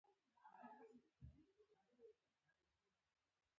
شوپرک چې له کوټې ووت، پر آسمان باندې مې د لټون څراغونه ولیدل.